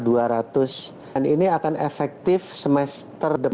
dan ini akan efektif semester depan